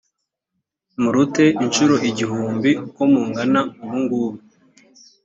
murute incuro igihumbi uko mungana ubu ngubu